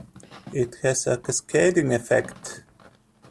It has a cascading effect.